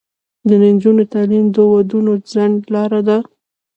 د نجونو تعلیم د ودونو ځنډ لاره ده.